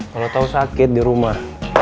kalo tau sakit di rumah